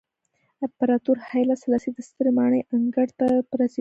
امپراتور هایله سلاسي د سترې ماڼۍ انګړ ته په رسېدو ورځ پیلوله.